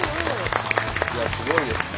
いやすごいですね。